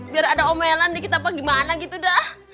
biar ada omelan dikit apa gimana gitu dah